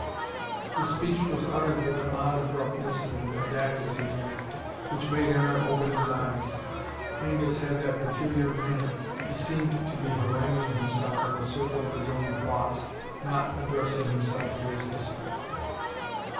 The speech was uttered with an odd abruptness and didacticism which made Aaron open his eyes. Angus had that peculiar manner: he seemed to be haranguing himself in the circle of his own thoughts, not addressing himself to his listener.